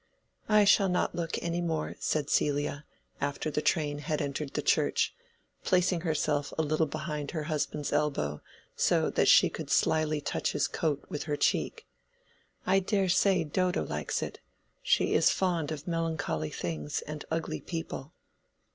"I shall not look any more," said Celia, after the train had entered the church, placing herself a little behind her husband's elbow so that she could slyly touch his coat with her cheek. "I dare say Dodo likes it: she is fond of melancholy things and ugly people."